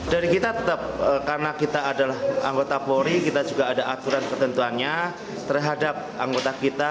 dari kita tetap karena kita adalah anggota polri kita juga ada aturan ketentuannya terhadap anggota kita